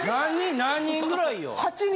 何人ぐらいよ。